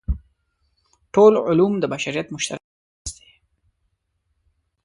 ټول علوم د بشریت مشترک میراث دی.